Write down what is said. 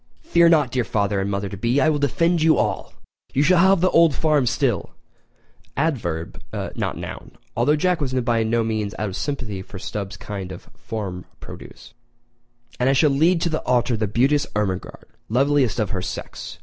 Fear not, dear father and mother to be—I will defend you all! You shall have the old home still [adverb, not noun—although Jack was by no means out of sympathy with Stubbs' kind of farm produce] and I shall lead to the altar the beauteous Ermengarde, loveliest of her sex!